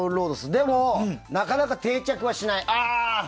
でも、なかなか定着はしない。